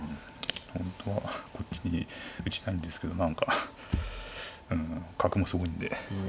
本当はこっちに打ちたいんですけど何かうん角もすごいんで。